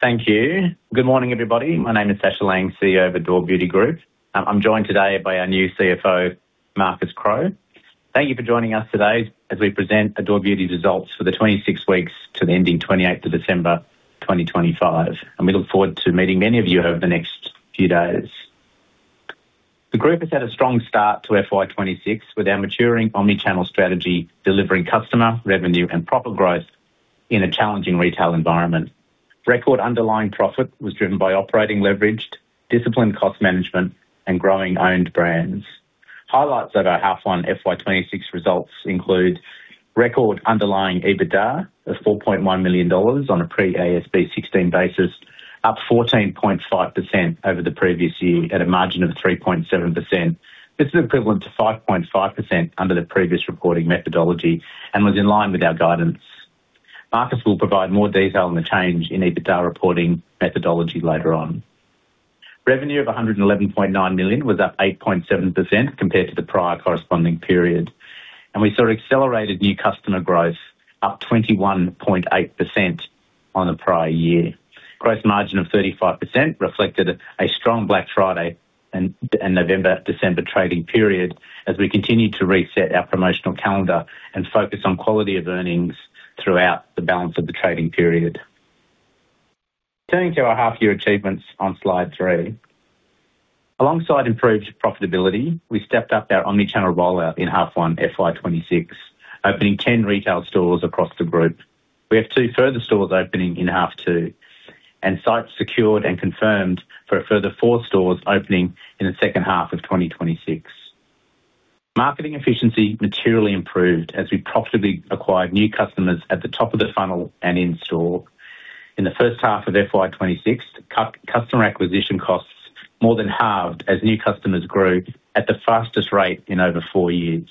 Thank you. Good morning, everybody. My name is Sacha Laing, CEO of Adore Beauty Group. I'm joined today by our new CFO, Marcus Crowe. Thank you for joining us today as we present Adore Beauty results for the 26 weeks to the ending 28th of December, 2025. We look forward to meeting many of you over the next few days. The group has had a strong start to FY26, with our maturing omnichannel strategy delivering customer, revenue, and proper growth in a challenging retail environment. Record underlying profit was driven by operating leveraged, disciplined cost management, and growing owned brands. Highlights of our half on FY26 results include record underlying EBITDA of 4,100,000 dollars on a pre-AASB 16 basis, up 14.5% over the previous year at a margin of 3.7%. This is equivalent to 5.5% under the previous reporting methodology and was in line with our guidance. Marcus will provide more detail on the change in EBITDA reporting methodology later on. Revenue of 111,900,000 was up 8.7% compared to the prior corresponding period, and we saw accelerated new customer growth, up 21.8% on the prior year. Gross margin of 35% reflected a strong Black Friday and November, December trading period as we continued to reset our promotional calendar and focus on quality of earnings throughout the balance of the trading period. Turning to our half year achievements on slide 3. Alongside improved profitability, we stepped up our omnichannel rollout in half one, FY26, opening 10 retail stores across the group. We have 2 further stores opening in half 2, and sites secured and confirmed for a further 4 stores opening in the second half of 2026. Marketing efficiency materially improved as we profitably acquired new customers at the top of the funnel and in store. In the first half of FY26, customer acquisition costs more than halved as new customers grew at the fastest rate in over 4 years.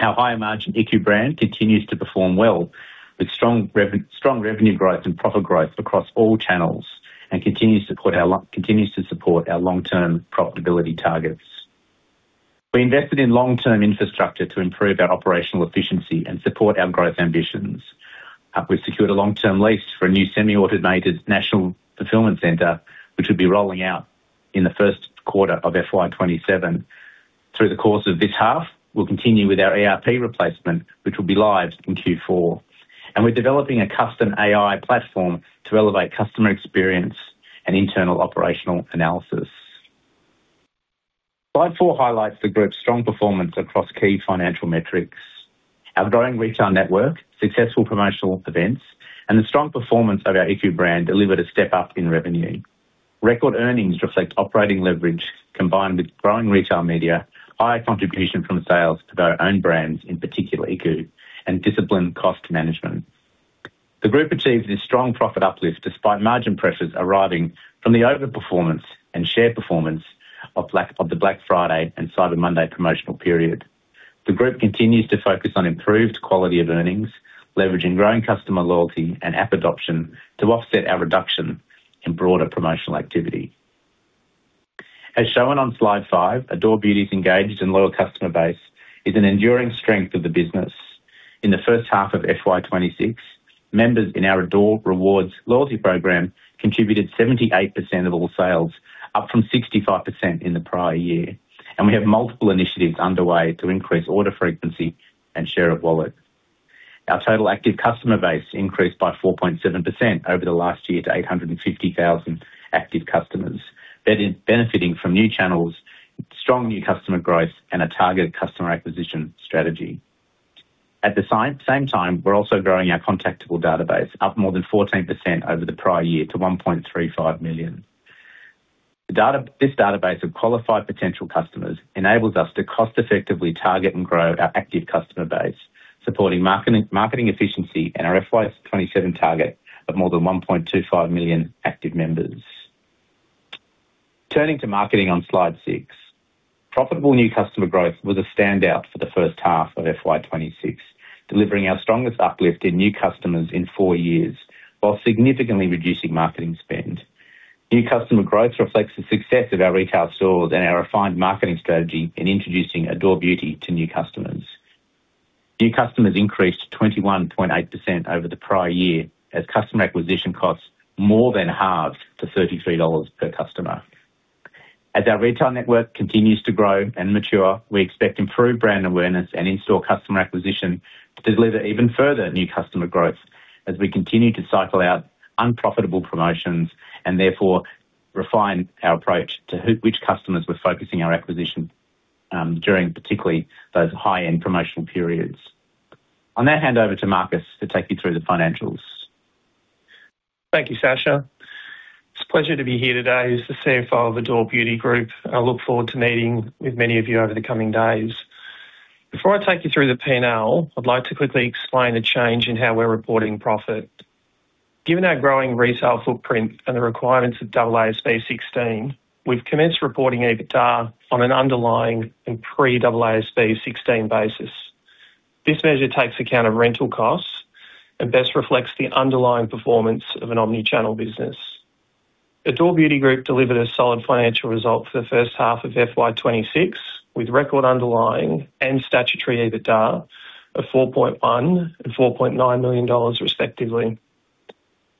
Our higher-margin EQ brand continues to perform well, with strong revenue growth and profit growth across all channels, and continues to support our long-term profitability targets. We invested in long-term infrastructure to improve our operational efficiency and support our growth ambitions. We've secured a long-term lease for a new semi-automated national fulfillment center, which will be rolling out in the first quarter of FY27. Through the course of this half, we'll continue with our ERP replacement, which will be live in Q4. We're developing a custom AI platform to elevate customer experience and internal operational analysis. Slide 4 highlights the group's strong performance across key financial metrics. Our growing retail network, successful promotional events, and the strong performance of our EQ brand delivered a step up in revenue. Record earnings reflect operating leverage combined with growing retail media, high contribution from sales to our own brands, in particular EQ, and disciplined cost management. The group achieved this strong profit uplift despite margin pressures arriving from the overperformance and share performance of Black Friday and Cyber Monday promotional period. The group continues to focus on improved quality of earnings, leveraging growing customer loyalty and app adoption to offset our reduction in broader promotional activity. As shown on slide 5, Adore Beauty's engaged and loyal customer base is an enduring strength of the business. In the first half of FY26, members in our Adore Rewards loyalty program contributed 78% of all sales, up from 65% in the prior year. We have multiple initiatives underway to increase order frequency and share of wallet. Our total active customer base increased by 4.7% over the last year to 850,000 active customers, benefiting from new channels, strong new customer growth, and a targeted customer acquisition strategy. At the same time, we're also growing our contactable database, up more than 14% over the prior year to 1,350,000. This database of qualified potential customers enables us to cost-effectively target and grow our active customer base, supporting marketing, marketing efficiency and our FY27 target of more than 1,25,000 active members. Turning to marketing on slide 6. Profitable new customer growth was a standout for the first half of FY26, delivering our strongest uplift in new customers in 4 years while significantly reducing marketing spend. New customer growth reflects the success of our retail stores and our refined marketing strategy in introducing Adore Beauty to new customers. New customers increased to 21.8% over the prior year, as customer acquisition costs more than halved to 33 dollars per customer. As our retail network continues to grow and mature, we expect improved brand awareness and in-store customer acquisition to deliver even further new customer growth as we continue to cycle out unprofitable promotions and therefore refine our approach to which customers we're focusing our acquisition during particularly those high-end promotional periods. On that, hand over to Marcus to take you through the financials. Thank you, Sacha. It's a pleasure to be here today as the CFO of Adore Beauty Group. I look forward to meeting with many of you over the coming days. Before I take you through the P&L, I'd like to quickly explain the change in how we're reporting profit. Given our growing retail footprint and the requirements of AASB 16, we've commenced reporting EBITDA on an underlying and pre-AASB 16 basis. This measure takes account of rental costs and best reflects the underlying performance of an omnichannel business. Adore Beauty Group delivered a solid financial result for the first half of FY26, with record underlying and statutory EBITDA of 4,100,000 and 4,900,000 dollars, respectively.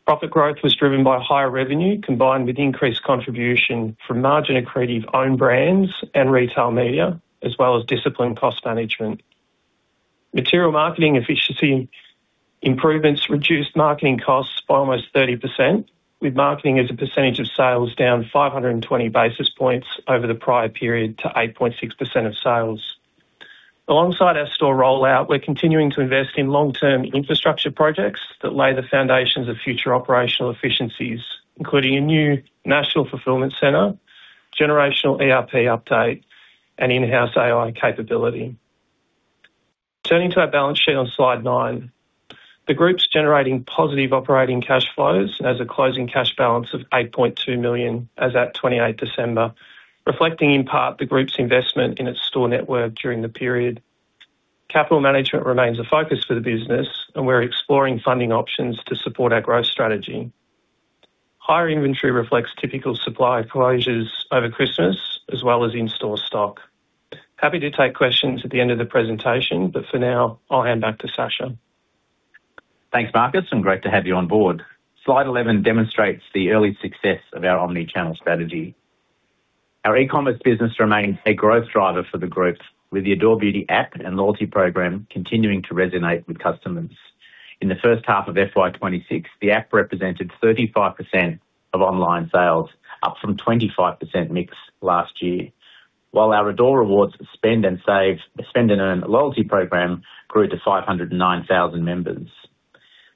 Profit growth was driven by higher revenue, combined with increased contribution from margin-accretive own brands and retail media, as well as disciplined cost management. Material marketing efficiency improvements reduced marketing costs by almost 30%, with marketing as a percentage of sales down 520 basis points over the prior period to 8.6% of sales. Alongside our store rollout, we're continuing to invest in long-term infrastructure projects that lay the foundations of future operational efficiencies, including a new national fulfillment center, generational ERP update, and in-house AI capability. Turning to our balance sheet on Slide 9, the group's generating positive operating cash flows as a closing cash balance of 8,200,00 as at 28 December, reflecting, in part, the group's investment in its store network during the period. Capital management remains a focus for the business, we're exploring funding options to support our growth strategy. Higher inventory reflects typical supply closures over Christmas as well as in-store stock. Happy to take questions at the end of the presentation, but for now, I'll hand back to Sasha. Thanks, Marcus. Great to have you on board. Slide 11 demonstrates the early success of our omni-channel strategy. Our e-commerce business remains a growth driver for the group, with the Adore Beauty app and loyalty program continuing to resonate with customers. In the first half of FY26, the app represented 35% of online sales, up from 25% mix last year. While our Adore Rewards Spend and Earn loyalty program grew to 509,000 members.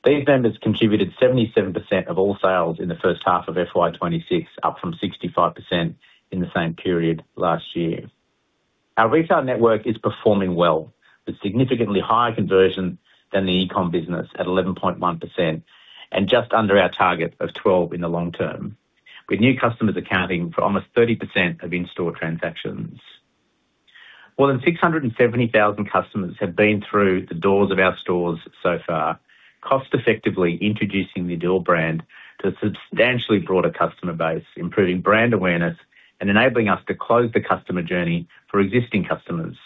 These members contributed 77% of all sales in the first half of FY26, up from 65% in the same period last year. Our retail network is performing well, with significantly higher conversion than the e-com business at 11.1% and just under our target of 12 in the long term, with new customers accounting for almost 30% of in-store transactions. More than 670,000 customers have been through the doors of our stores so far, cost effectively introducing the Adore brand to a substantially broader customer base, improving brand awareness and enabling us to close the customer journey for existing customers.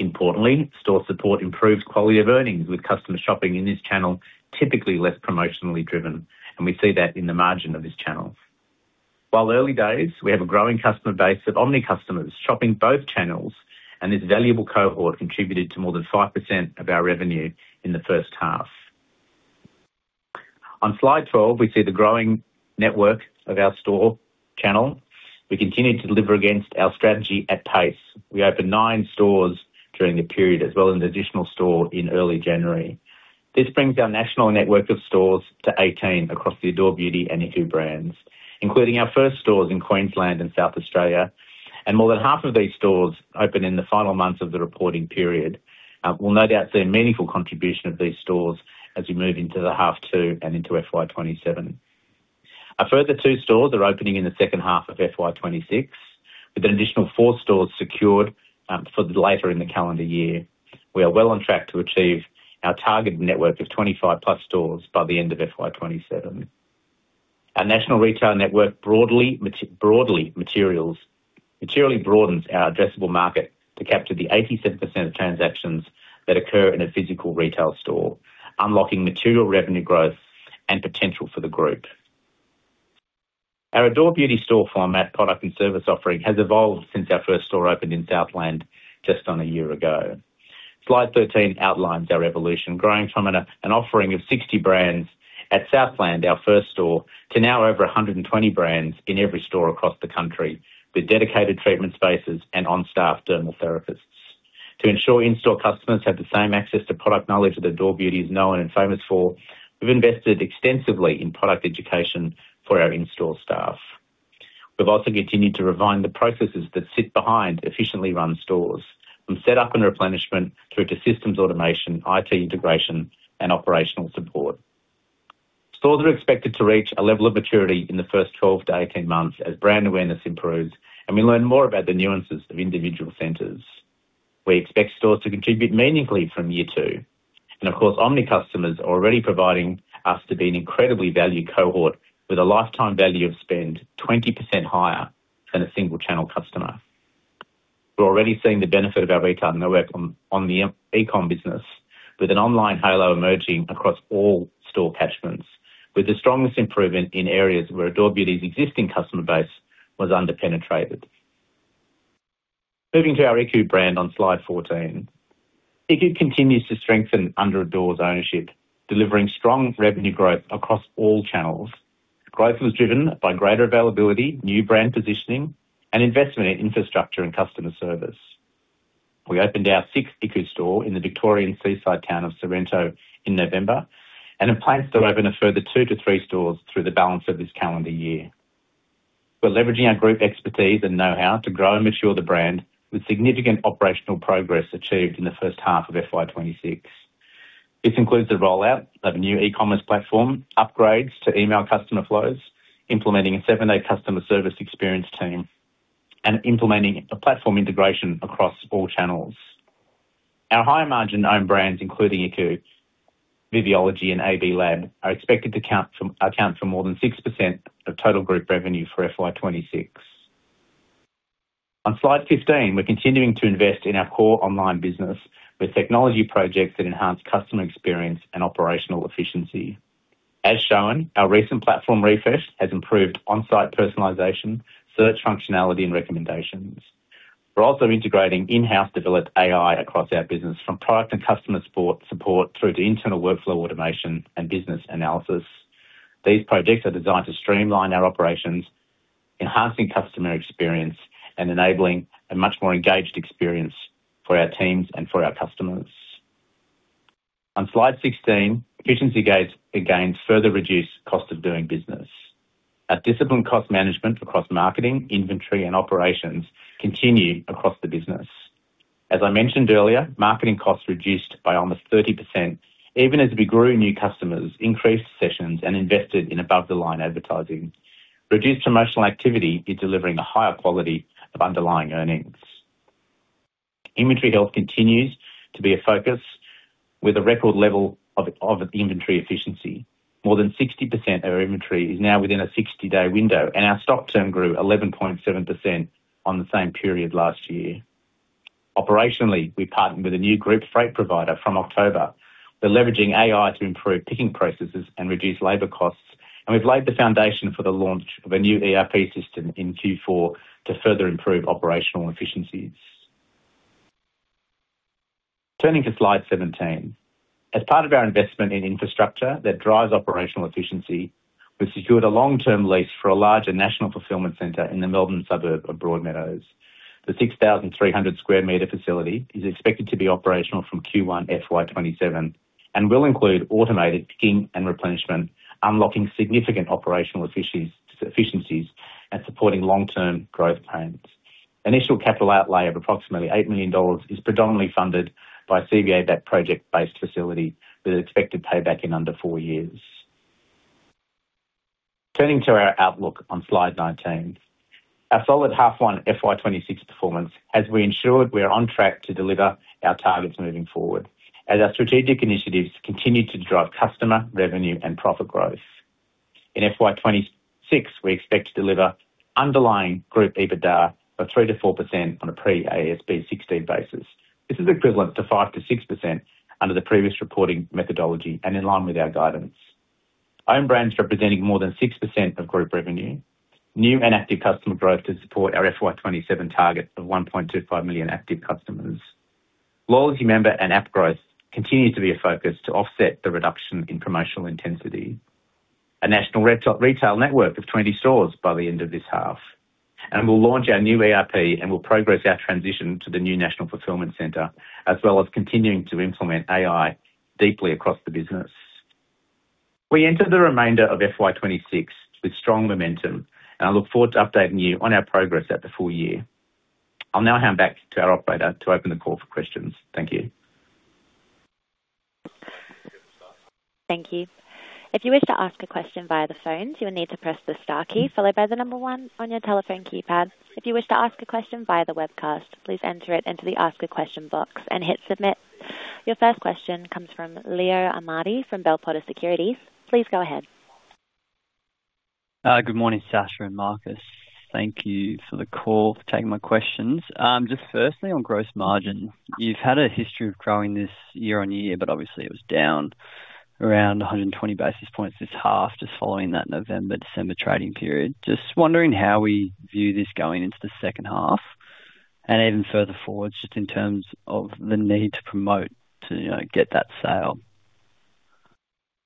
Importantly, store support improved quality of earnings, with customer shopping in this channel typically less promotionally driven, and we see that in the margin of this channel. While early days, we have a growing customer base of omni customers, shopping both channels, and this valuable cohort contributed to more than 5% of our revenue in the first half. On Slide 12, we see the growing network of our store channel. We continue to deliver against our strategy at pace. We opened 9 stores during the period as well as an additional store in early January. This brings our national network of stores to 18 across the Adore Beauty and EQ brands, including our first stores in Queensland and South Australia, and more than half of these stores opened in the final months of the reporting period. We'll no doubt see a meaningful contribution of these stores as we move into the half 2 and into FY27. A further 2 stores are opening in the second half of FY26, with an additional 4 stores secured for later in the calendar year. We are well on track to achieve our target network of 25+ stores by the end of FY27. Our national retail network broadly materially broadens our addressable market to capture the 87% of transactions that occur in a physical retail store, unlocking material revenue growth and potential for the group. Our Adore Beauty store format, product and service offering, has evolved since our first store opened in Southland just on a year ago. Slide 13 outlines our evolution, growing from an offering of 60 brands at Southland, our first store, to now over 120 brands in every store across the country, with dedicated treatment spaces and on-staff dermal therapists. To ensure in-store customers have the same access to product knowledge that Adore Beauty is known and famous for, we've invested extensively in product education for our in-store staff. We've also continued to refine the processes that sit behind efficiently run stores, from setup and replenishment through to systems automation, IT integration, and operational support. Stores are expected to reach a level of maturity in the first 12-18 months as brand awareness improves and we learn more about the nuances of individual centers. We expect stores to contribute meaningfully from year two. Of course, omni customers are already proving us to be an incredibly valued cohort with a lifetime value of spend 20% higher than a single-channel customer. We're already seeing the benefit of our retail network on, on the e-com business, with an online halo emerging across all store catchments, with the strongest improvement in areas where Adore Beauty's existing customer base was under-penetrated. Moving to our EQ brand on Slide 14. EQ continues to strengthen under Adore's ownership, delivering strong revenue growth across all channels. Growth was driven by greater availability, new brand positioning, and investment in infrastructure and customer service. We opened our sixth EQ store in the Victorian seaside town of Sorrento in November, and have plans to open a further 2-3 stores through the balance of this calendar year. We're leveraging our group expertise and know-how to grow and mature the brand, with significant operational progress achieved in the first half of FY26. This includes the rollout of a new e-commerce platform, upgrades to email customer flows, implementing a seven-day customer service experience team, and implementing a platform integration across all channels. Our high-margin own brands, including iKOU, Viviology, and AB LAB, are expected to account for more than 6% of total group revenue for FY26. On Slide 15, we're continuing to invest in our core online business with technology projects that enhance customer experience and operational efficiency. As shown, our recent platform refresh has improved on-site personalization, search functionality, and recommendations. We're also integrating in-house developed AI across our business, from product and customer support through to internal workflow automation and business analysis. These projects are designed to streamline our operations, enhancing customer experience, and enabling a much more engaged experience for our teams and for our customers. On Slide 16, efficiency gains, again, further reduce cost of doing business. Our disciplined cost management across marketing, inventory, and operations continue across the business. As I mentioned earlier, marketing costs reduced by almost 30%, even as we grew new customers, increased sessions, and invested in above-the-line advertising. Reduced promotional activity is delivering a higher quality of underlying earnings. Inventory health continues to be a focus with a record level of inventory efficiency. More than 60% of our inventory is now within a 60-day window, and our stock turn grew 11.7% on the same period last year. Operationally, we partnered with a new group freight provider from October. We're leveraging AI to improve picking processes and reduce labor costs, and we've laid the foundation for the launch of a new ERP system in Q4 to further improve operational efficiencies. Turning to Slide 17. As part of our investment in infrastructure that drives operational efficiency, we've secured a long-term lease for a larger national fulfillment center in the Melbourne suburb of Broadmeadows. The 6,300 sq m facility is expected to be operational from Q1 FY27 and will include automated picking and replenishment, unlocking significant operational efficiencies and supporting long-term growth plans. Initial capital outlay of approximately 8,000,000 dollars is predominantly funded by CBA-backed project-based facility, with expected payback in under 4 years. Turning to our outlook on Slide 19. Our solid half 1 FY26 performance has reassured we are on track to deliver our targets moving forward, as our strategic initiatives continue to drive customer, revenue, and profit growth. In FY26, we expect to deliver underlying group EBITDA of 3%-4% on a pre-AASB 16 basis. This is equivalent to 5%-6% under the previous reporting methodology and in line with our guidance. Own brands representing more than 6% of group revenue. New and active customer growth to support our FY27 target of 1,250,000 active customers. Loyalty member and app growth continues to be a focus to offset the reduction in promotional intensity. A national retail network of 20 stores by the end of this half, and we'll launch our new ERP and we'll progress our transition to the new national fulfillment center, as well as continuing to implement AI deeply across the business. We enter the remainder of FY26 with strong momentum, and I look forward to updating you on our progress at the full year. I'll now hand back to our operator to open the call for questions. Thank you. Thank you. If you wish to ask a question via the phones, you will need to press the star key followed by the number 1 on your telephone keypad. If you wish to ask a question via the webcast, please enter it into the Ask a Question box and hit Submit. Your first question comes from Leo Armati from Bell Potter Securities. Please go ahead. Good morning, Sasha and Marcus. Thank you for the call, for taking my questions. Just firstly, on gross margin. You've had a history of growing this year on year, but obviously it was down around 120 basis points this half, just following that November-December trading period. Just wondering how we view this going into the second half and even further forwards, just in terms of the need to promote to, you know, get that sale.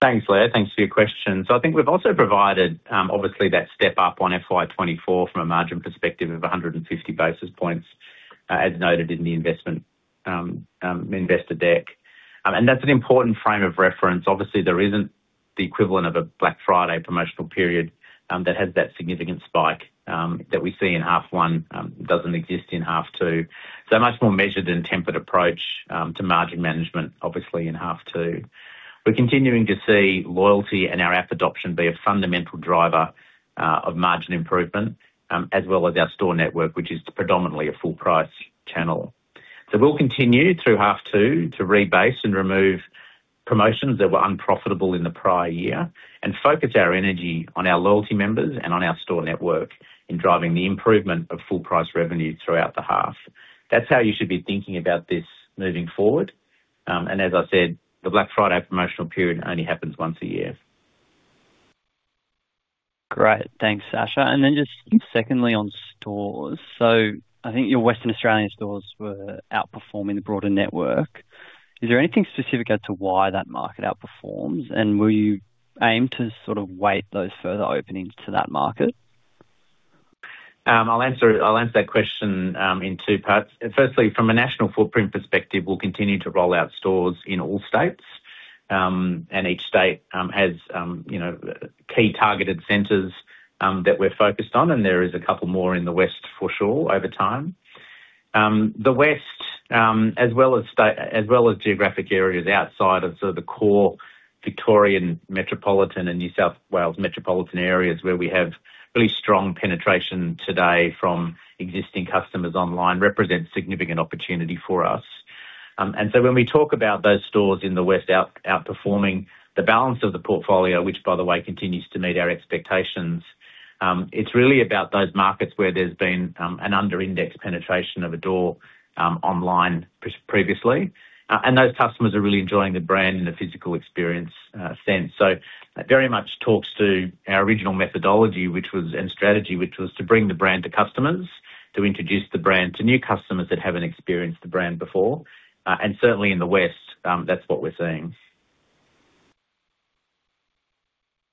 Thanks, Leo. Thanks for your question. I think we've also provided, obviously that step up on FY24 from a margin perspective of 150 basis points, as noted in the investment investor deck. That's an important frame of reference. Obviously, there isn't the equivalent of a Black Friday promotional period that has that significant spike that we see in half 1 doesn't exist in half 2. A much more measured and tempered approach to margin management, obviously in half 2. We're continuing to see loyalty and our app adoption be a fundamental driver of margin improvement, as well as our store network, which is predominantly a full price channel. We'll continue through half 2 to rebase and remove promotions that were unprofitable in the prior year, and focus our energy on our loyalty members and on our store network in driving the improvement of full price revenue throughout the half. That's how you should be thinking about this moving forward. As I said, the Black Friday promotional period only happens once a year. Great. Thanks, Sacha. Then just secondly on stores. I think your Western Australian stores were outperforming the broader network. Is there anything specific as to why that market outperforms? Will you aim to sort of weight those further openings to that market? I'll answer, I'll answer that question in two parts. Firstly, from a national footprint perspective, we'll continue to roll out stores in all states. Each state has, you know, key targeted centers that we're focused on, and there is a couple more in the West for sure, over time. The West, as well as geographic areas outside of sort of the core Victorian metropolitan and New South Wales metropolitan areas where we have really strong penetration today from existing customers online, represents significant opportunity for us. When we talk about those stores in the West outperforming the balance of the portfolio, which, by the way, continues to meet our expectations, it's really about those markets where there's been an under indexed penetration of Adore, online previously. Those customers are really enjoying the brand and the physical experience, sense. That very much talks to our original methodology, which was, and strategy, which was to bring the brand to customers, to introduce the brand to new customers that haven't experienced the brand before. Certainly in the West, that's what we're seeing.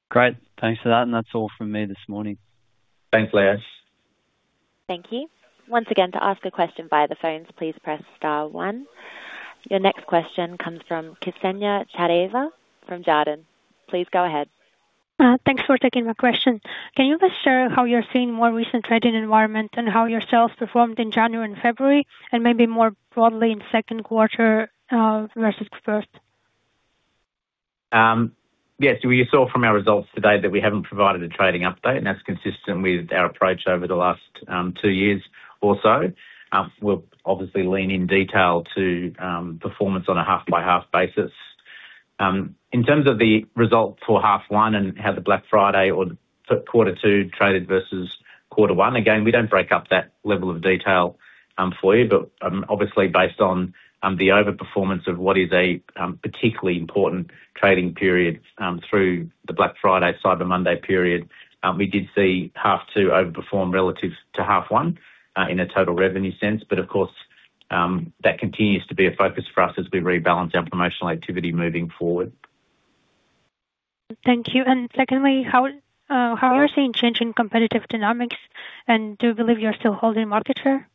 Great. Thanks for that, and that's all from me this morning. Thanks, Leo. Thank you. Once again, to ask a question by the phones, please press star one. Your next question comes from Kseniya Chadayeva from Jarden. Please go ahead. Thanks for taking my question. Can you please share how you're seeing more recent trading environment and how your sales performed in January and February, and maybe more broadly in second quarter versus first? Yes, you saw from our results today that we haven't provided a trading update. That's consistent with our approach over the last 2 years or so. We'll obviously lean in detail to performance on a half by half basis. In terms of the result for Half 1 and how the Black Friday or Quarter 2 traded versus Quarter 1, again, we don't break up that level of detail for you. Obviously based on the overperformance of what is a particularly important trading period through the Black Friday, Cyber Monday period, we did see Half 2 overperform relative to Half 1 in a total revenue sense. Of course, that continues to be a focus for us as we rebalance our promotional activity moving forward. Thank you. Secondly, how, how are you seeing change in competitive dynamics, and do you believe you're still holding market share?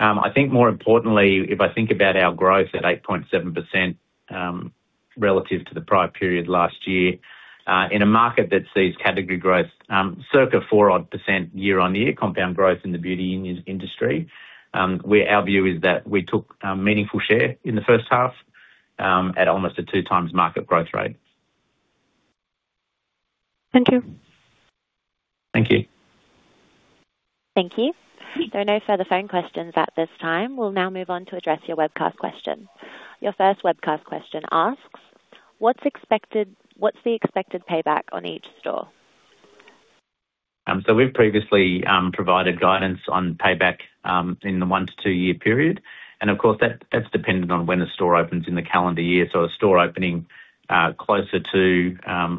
I think more importantly, if I think about our growth at 8.7%, relative to the prior period last year, in a market that sees category growth, circa 4% odd year-on-year compound growth in the beauty industry, our view is that we took meaningful share in the first half, at almost a 2 times market growth rate. Thank you. Thank you. Thank you. There are no further phone questions at this time. We'll now move on to address your webcast question. Your first webcast question asks: What's expected-- What's the expected payback on each store? We've previously provided guidance on payback in the 1-2-year period, and of course, that, that's dependent on when the store opens in the calendar year. A store opening closer to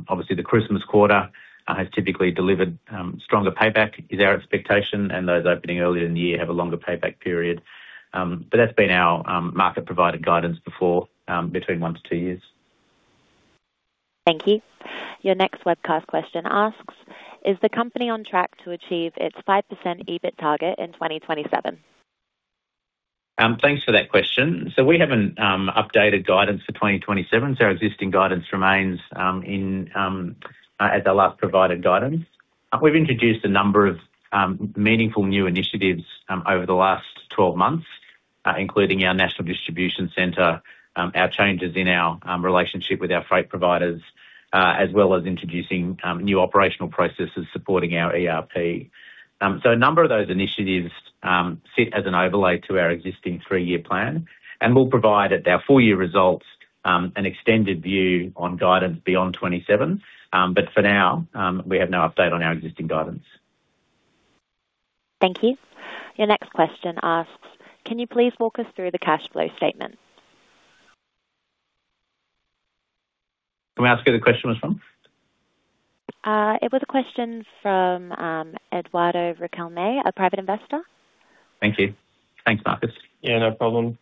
obviously the Christmas quarter has typically delivered stronger payback, is our expectation, and those opening earlier in the year have a longer payback period. That's been our market provided guidance before between 1-2 years. Thank you. Your next webcast question asks: Is the company on track to achieve its 5% EBIT target in 2027? Thanks for that question. We haven't updated guidance for 2027, so our existing guidance remains in at the last provided guidance. We've introduced a number of meaningful new initiatives over the last 12 months, including our national distribution center, our changes in our relationship with our freight providers, as well as introducing new operational processes supporting our ERP. A number of those initiatives sit as an overlay to our existing 3-year plan, and we'll provide at our full year results an extended view on guidance beyond 2027. For now, we have no update on our existing guidance. Thank you. Your next question asks: Can you please walk us through the cash flow statement? Can we ask who the question was from? It was a question from Eduardo Riquelme, a private investor. Thank you. Thanks, Marcus. Yeah, no problem.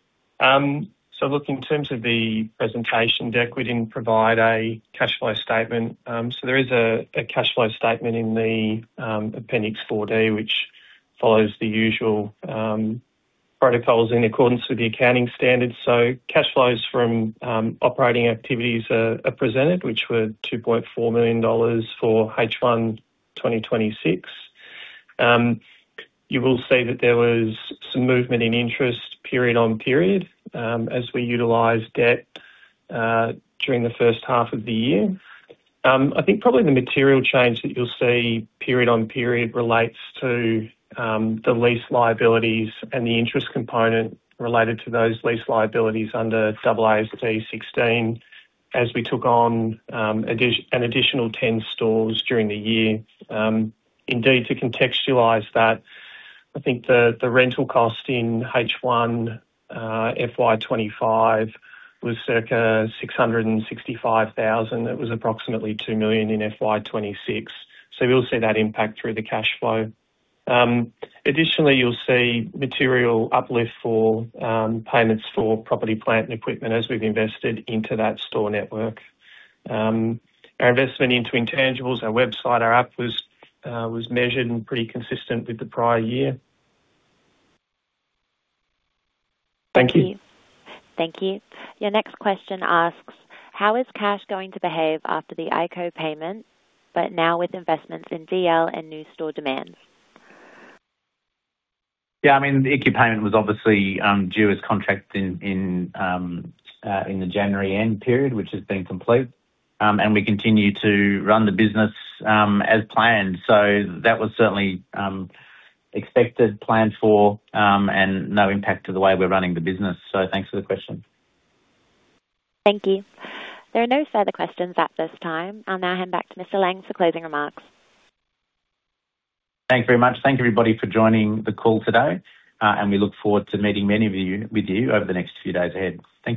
Look, in terms of the presentation deck, we didn't provide a cash flow statement. There is a cash flow statement in the Appendix 4D, which follows the usual protocols in accordance with the accounting standards. Cash flows from operating activities are presented, which were 2,400,000 dollars for H1 2026. You will see that there was some movement in interest period on period as we utilized debt during the first half of the year. I think probably the material change that you'll see period on period relates to the lease liabilities and the interest component related to those lease liabilities under AASB 16, as we took on an additional 10 stores during the year. Indeed, to contextualize that, I think the, the rental cost in H1 FY25 was circa 665,000. It was approximately 2,000,000 in FY26. We'll see that impact through the cash flow. Additionally, you'll see material uplift for payments for property, plant, and equipment as we've invested into that store network. Our investment into intangibles, our website, our app was measured and pretty consistent with the prior year. Thank you. Thank you. Your next question asks: How is cash going to behave after the iKOU payment, but now with investments in NFC and new store demands? Yeah, I mean, the ICiKOU payment was obviously due as contract in the January end period, which has been complete. We continue to run the business as planned. That was certainly expected, planned for, and no impact to the way we're running the business. Thanks for the question. Thank you. There are no further questions at this time. I'll now hand back to Sacha Laing for closing remarks. Thanks very much. Thank you, everybody, for joining the call today. We look forward to meeting with you over the next few days ahead. Thank you.